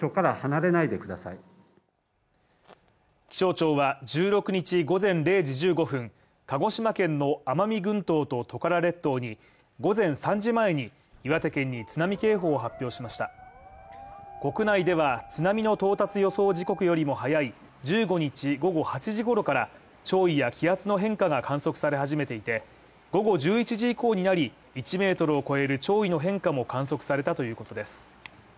気象庁は１６日午前０時１５分、鹿児島県の奄美群島とトカラ列島に午前３時前に、岩手県に津波警報を発表しました国内では、津波の到達予想時刻よりも早い１５日午後８時ごろから潮位や気圧の変化が観測され始めていて、午後１１時以降になり、１ｍを超える潮位の変化も観測されたということです。